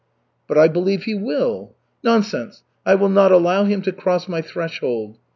"But I believe he will." "Nonsense, I will not allow him to cross my threshold."